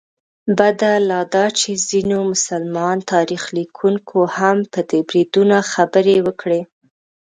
بده لا دا چې ځینو مسلمان تاریخ لیکونکو هم په دې بریدونو خبرې وکړې.